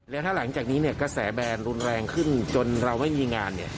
แล้วถ้าหลังจากนี้เนี่ยกระแสแบรนด์รุนแรงขึ้นจนเราไม่มีงานเนี่ย